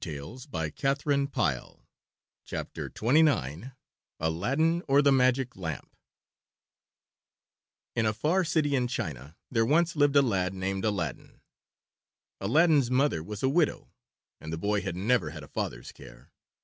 [Illustration: Aladdin or The Magic Lamp] ALADDIN, OR THE MAGIC LAMP In a far city in China there once lived a lad named Aladdin. Aladdin's mother was a widow, and the boy had never had a father's care.